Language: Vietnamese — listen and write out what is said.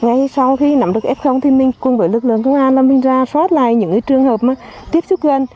ngay sau khi nắm được f thì mình cùng với lực lượng công an là mình ra soát lại những trường hợp tiếp xúc gần